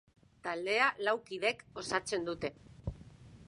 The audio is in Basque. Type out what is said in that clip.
Taldea lau kidek osatzen dute.